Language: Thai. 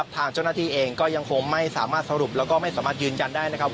ทางเจ้าหน้าที่ยังคงไม่สามารถสรุปและยืนยันได้นะครับ